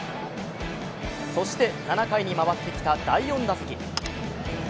そして７回に回ってきた第４打席。